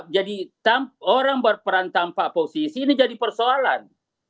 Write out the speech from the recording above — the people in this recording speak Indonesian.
jadi orang berperan tanpa posisi ini jadi persoalan